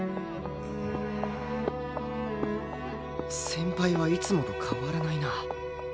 先輩はいつもと変わらないな